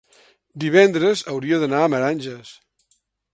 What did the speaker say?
divendres hauria d'anar a Meranges.